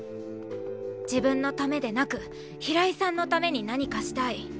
自分のためでなく平井さんのために何かしたい。